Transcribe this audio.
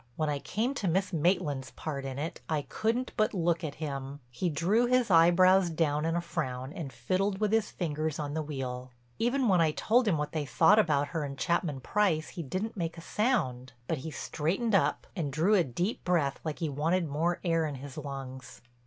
When I came to Miss Maitland's part in it, I couldn't but look at him. He drew his eyebrows down in a frown and fiddled with his fingers on the wheel. Even when I told him what they thought about her and Chapman Price he didn't made a sound, but he straightened up, and drew a deep breath like he wanted more air in his lungs.